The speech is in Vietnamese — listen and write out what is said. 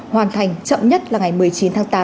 hoàn thành chậm nhất là ngày một mươi chín tháng tám